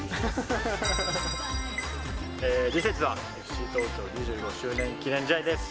次節はＦＣ東京２５周年記念試合です。